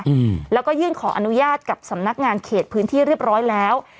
อืมแล้วก็ยื่นขออนุญาตกับสำนักงานเขตพื้นที่เรียบร้อยแล้ว